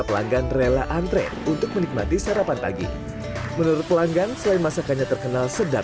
pelanggan rela antre untuk menikmati sarapan pagi menurut pelanggan selain masakannya terkenal sedang